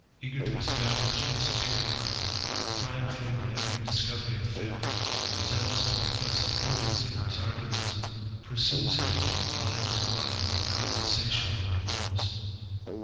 eager to establish >eriority, triumphing in every discovery of faUure, lalous to impress the cogency of his arguments, i him from line to hne without cessation or remoree.